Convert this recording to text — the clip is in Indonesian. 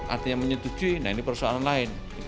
artinya menyetujui nah ini persoalan lain